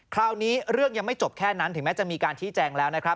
คราวนี้เรื่องยังไม่จบแค่นั้นถึงแม้จะมีการชี้แจงแล้วนะครับ